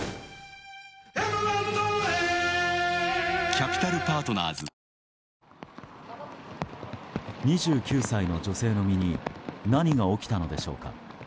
キリン「生茶」２９歳の女性の身に何が起きたのでしょうか。